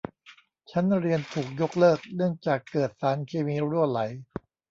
ชั้นเรียนถูกยกเลิกเนื่องจากเกิดสารเคมีรั่วไหล